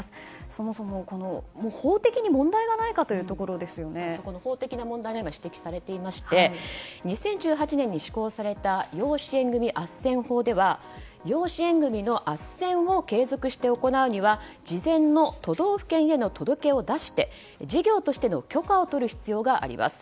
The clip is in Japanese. そもそも法的に問題がないか法的な問題も指摘されていまして２０１８年に施行された養子縁組あっせん法では養子縁組のあっせんを継続して行うには事前の都道府県への届を出して事業としての許可を取る必要があります。